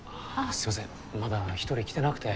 すみませんまだ１人来てなくて。